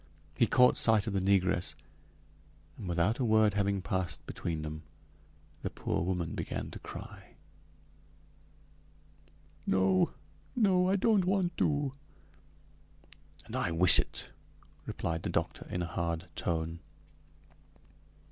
He caught sight of the negress, and without a word having passed between them, the poor woman began to cry: "No! no! I don't want to!" "And I wish it," replied the doctor in a hard tone.